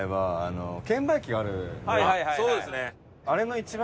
そうですね。